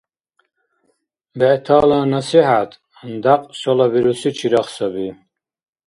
БегӀтала насихӀят дякь шалабируси чирагъ саби.